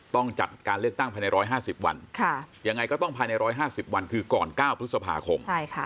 ต้องจัดการเลือกตั้งภายใน๑๕๐วันยังไงก็ต้องภายใน๑๕๐วันคือก่อน๙พฤษภาคม